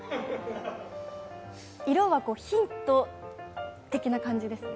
色はヒント的な感じですね。